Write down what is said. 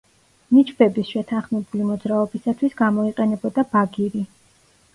ნიჩბების შეთანხმებული მოძრაობისათვის გამოიყენებოდა ბაგირი.